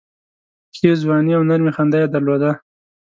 ښې ځواني او نرمي خندا یې درلوده.